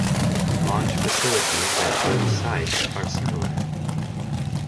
Launch facilities at both sites are similar.